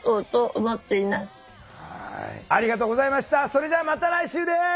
それではまた来週です。